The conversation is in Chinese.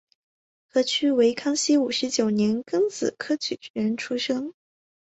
何衢为康熙五十九年庚子科举人出身。